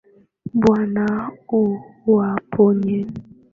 Bwana uwaponye.